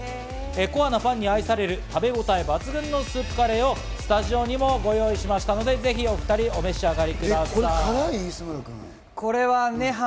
コアなファンに愛される食べごたえ抜群のスープカレーをスタジオにもご用意しましたので、ぜひお２人、お召し上がりください。